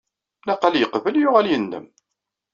Niqal yeqbel, yuɣal yendem.